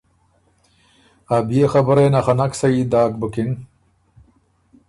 ائ بيې خبُرئ یه نه خه نک سهي داک بُکِن